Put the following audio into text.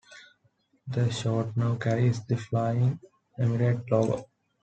The shirt now carries the "Fly Emirates" logo.